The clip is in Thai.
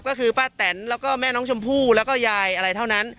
ก็คือป้าแตนแล้วก็แม่น้องชมพู่แล้วก็ยายอะไรเท่านั้น